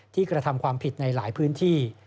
กระทำความผิดในหลายพื้นที่